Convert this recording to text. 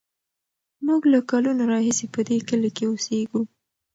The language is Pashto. موږ له کلونو راهیسې په دې کلي کې اوسېږو.